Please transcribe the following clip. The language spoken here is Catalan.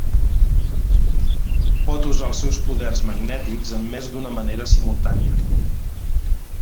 Pot usar els seus poders magnètics en més d'una manera simultània.